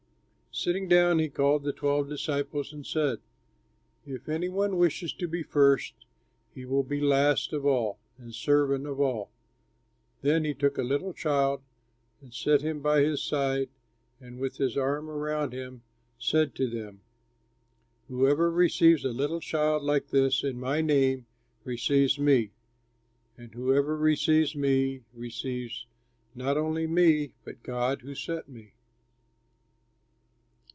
Sitting down, he called the twelve disciples, and said, "If any one wishes to be first, he will be last of all and servant of all." Then he took a little child and set him by his side and with his arm around him said to them, "Whoever receives a little child like this in my name, receives me, and whoever receives me, receives not only me, but God who sent me."